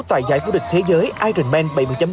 tại giải quốc địch thế giới ironman bảy mươi ba